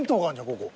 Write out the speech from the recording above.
ここ。